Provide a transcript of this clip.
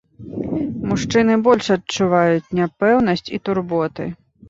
Мужчыны больш адчуваюць няпэўнасць і турботы.